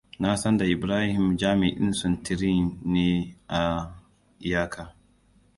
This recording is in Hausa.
Na san da Ibrahim jami'in suntiri ne a iyaka.